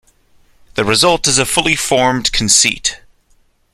The result is a fully formed conceit.